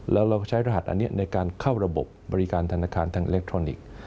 แล้วเราใช้รหัสอันนี้ในการเข้าระบบบบริการธนาคารทางอิเล็กทรอนิกส์